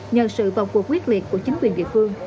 nhờ sự vào cuộc quyết liệt của chính quyền địa phương